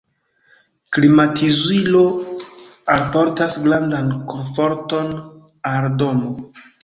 Klimatizilo alportas grandan komforton al domo.